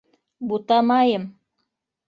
Бутамайым.